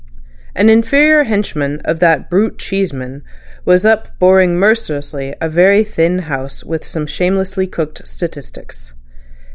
An inferior henchman of "that brute Cheeseman" was up boring mercilessly a very thin House with some shamelessly cooked statistics.